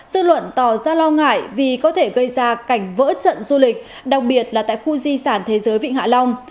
dư luận tỏ ra lo ngại vì có thể gây ra cảnh vỡ trận du lịch đặc biệt là tại khu di sản thế giới vịnh hạ long